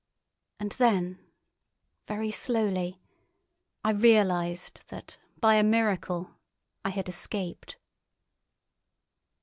And then, very slowly, I realised that by a miracle I had escaped.